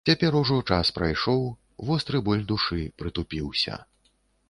Цяпер ужо час прайшоў, востры боль душы прытупіўся.